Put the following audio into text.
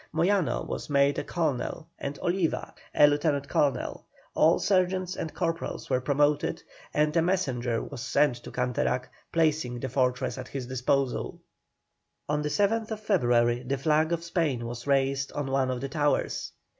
Moyano was made a colonel and Oliva a lieutenant colonel, all sergeants and corporals were promoted, and a messenger was sent to Canterac placing the fortress at his disposal. On the 7th February the flag of Spain was raised on one of the towers.